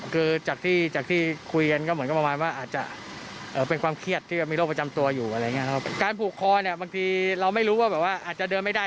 การผูกคอเนี่ยบางทีเราไม่รู้ว่าแบบว่าอาจจะเดินไม่ได้